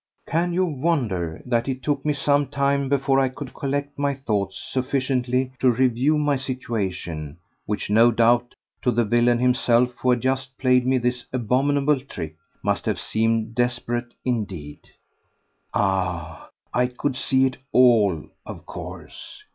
Can you wonder that it took me some time before I could collect my thoughts sufficiently to review my situation, which no doubt to the villain himself who had just played me this abominable trick must have seemed desperate indeed? Ah! I could see it all, of course!